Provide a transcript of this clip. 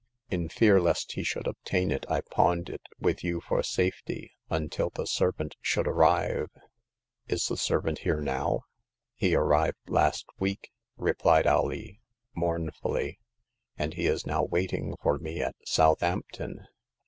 In fear lest he should obtain it, I pawned it with you for safety, until the servant should arrive." Is the servant here now ?"He arrived last week," replied Alee, mouoi fuUy, and he is now waiting for me at South ampton.